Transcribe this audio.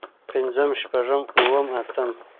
پنځم شپږم اووم اتم